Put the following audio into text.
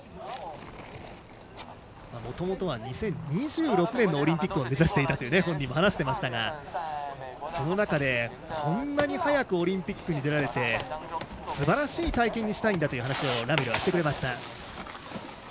もともと２０２６年のオリンピックを目指していたと本人も話していましたがその中で、こんなに早くオリンピックに出られてすばらしい体験にしたいんだという話を、ラメルはしてくれました。